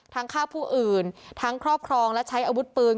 ฆ่าผู้อื่นทั้งครอบครองและใช้อาวุธปืน